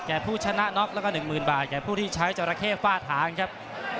ผู้ชนะน็อกแล้วก็๑๐๐๐บาทแก่ผู้ที่ใช้จราเข้ฝ้าทางครับ